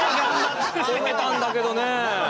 褒めたんだけどね。